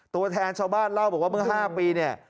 ตัวแทนชาวบ้านเล่าบอกว่าเมื่อ๕ปีเนี่ย